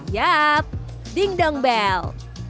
yap ding dong bel